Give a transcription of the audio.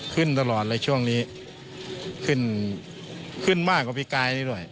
ขึ้นตลอดเลยช่วงนี้ขึ้นขึ้นมากกว่าพี่กายนี้ด้วย